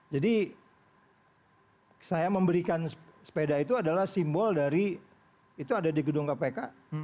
jadi saya memberikan sepeda itu adalah simbol dari itu ada di gedung kpk